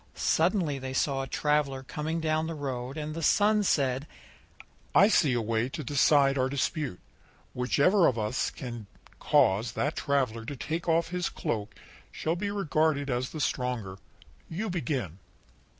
Suddenly they saw a traveller coming down the road, and the Sun said: "I see a way to decide our dispute. Whichever of us can cause that traveller to take off his cloak shall be regarded as the stronger You begin."